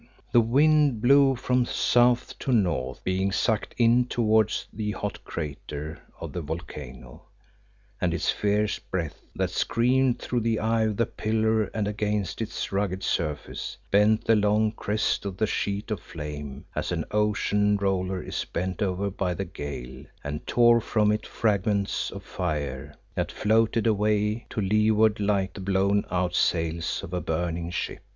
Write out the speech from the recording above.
The wind blew from south to north, being sucked in towards the hot crater of the volcano, and its fierce breath, that screamed through the eye of the pillar and against its rugged surface, bent the long crest of the sheet of flame, as an ocean roller is bent over by the gale, and tore from it fragments of fire, that floated away to leeward like the blown out sails of a burning ship.